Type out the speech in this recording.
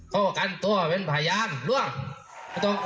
ของท่านเราอยู่ตรงนอก